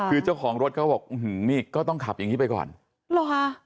คือเจ้าของรถเขาบอกอื้อหือนี่ก็ต้องขับอย่างงี้ไปก่อนหรอคะ